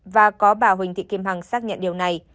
và có bà huỳnh thị kim hằng xác nhận điều này